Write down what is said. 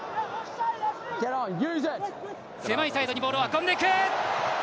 狭いサイドにボールを運んでいく！